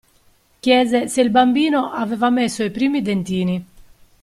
Chiese se il bambino aveva messo i primi dentini.